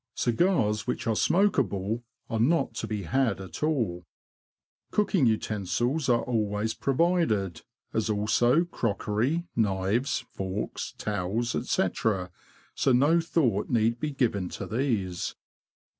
Cigars which are smokable are not to be had at all. C 2 20 THE LAND OF THE BROADS. Cooking utensils are always provided, as also crockery, knives, forks, towels, &c., so no thought need be given to these.